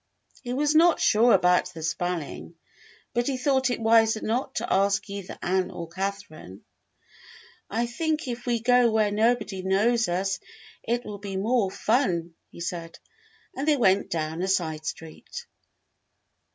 He was not sure about the spelling, but he thought it wiser not to ask either Ann or Catherine, "I think if we go where nobody knows us it will be more fun," he said, and they went down a side street.